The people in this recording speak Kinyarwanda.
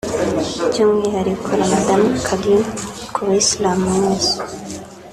by’umwihariko Ramadhan Karim ku bayislam mwese